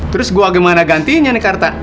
terus gue gimana gantinya nih karta